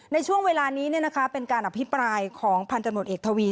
ในช่วงเวลานี้เนี้ยนะคะอภิปรายของพลันทสมรณ์เอกทระวี